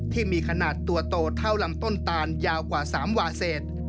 ที่มีขนาดตัวโตเท่าลำต้นตานยาวกว่า๓วาเศษ